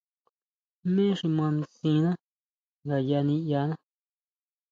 Jmé xi mandisina ngayá niʼyaná.